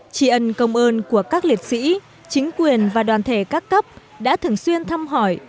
chỉ ẩn công ơn của các liệt sĩ chính quyền và đoàn thể các cấp đã thường xuyên thăm hỏi